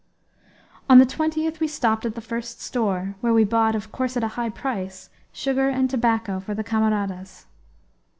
On the 20th we stopped at the first store, where we bought, of course at a high price, sugar and tobacco for the camaradas.